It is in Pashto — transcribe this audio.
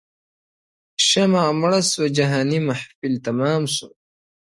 شمع مړه سوه جهاني محفل تمام سو -